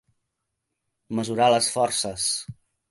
Mesurar les forces.